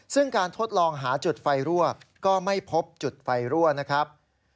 ซึ่งการทดลองหาจุดไฟรั่วก็ไม่พบจุดไฟรั่วนะครับ